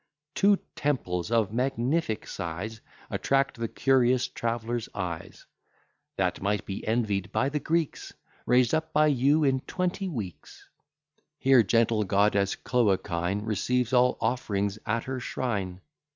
Two temples of magnific size Attract the curious traveller's eyes, That might be envied by the Greeks; Raised up by you in twenty weeks: Here gentle goddess Cloacine Receives all offerings at her shrine.